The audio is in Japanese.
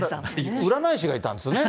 占い師がいたんですね。